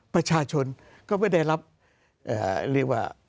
ประชาชนก็ไม่ได้รับเรียกว่า